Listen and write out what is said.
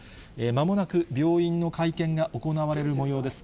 まもなく病院の会見が行われるもようです。